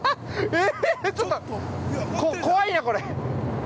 え、ちょっと怖いな、これ。